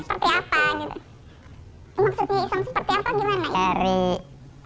ketika itu orang lain yang melakukan misalnya itu juga bukan urusan saya